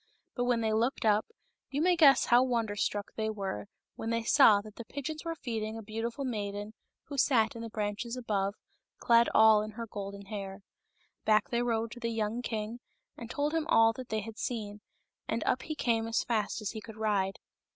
But when they looked up, you may guess how wonder struck they were when they saw that the pigeons were feeding a beautiful maiden who sat in the branches above, clad all in her golden hair. Back they rode to the young king and told him all that they had seen, and up he came as fast as he could ride.